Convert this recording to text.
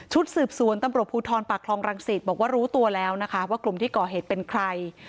สืบสวนตำรวจภูทรปากคลองรังศิษย์บอกว่ารู้ตัวแล้วนะคะว่ากลุ่มที่ก่อเหตุเป็นใคร